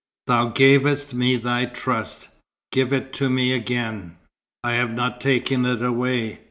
Thou gavest me thy trust. Give it me again." "I have not taken it away.